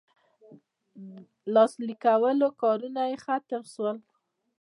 لاسلیک کولو کارونه یې ختم سول.